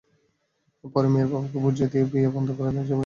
পরে মেয়ের বাবাকে বুঝিয়ে বিয়ে বন্ধ করেন এবং জরিমানার টাকা আদায় করেন।